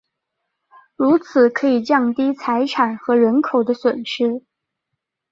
如此可以降低财产和人口的损失。